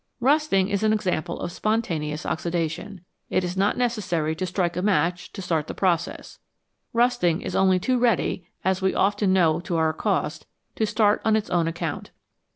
Rusting is an example of spontaneous oxidation. It is not necessary to strike a match to start the process ; rust ing is only too ready, as we often know to our cost, to start on its own account.